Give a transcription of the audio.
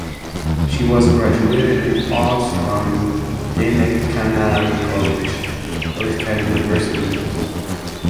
She was Graduated in Arts from Dhenkanal College(Utkal University).